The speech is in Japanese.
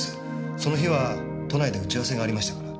その日は都内で打ち合わせがありましたから。